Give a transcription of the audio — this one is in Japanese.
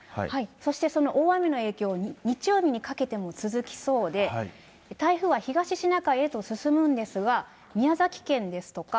そしてその大雨の影響、日曜日にかけても続きそうで、台風は東シナ海へと進むんですが、宮崎県ですとか、